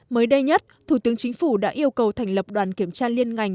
mới đây nhất thủ tướng chính phủ đã yêu cầu thành lập đoàn kiểm tra liên ngành